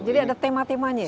jadi ada tema temanya ya